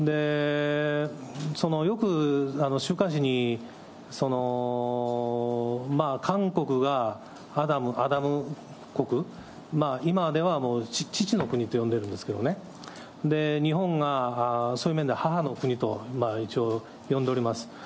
よく週刊誌に、韓国がアダム国、今ではもう父の国と呼んでるんですけどね、日本がそういう面で母の国と、一応呼んでおります。